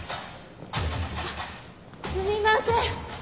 あっすみません。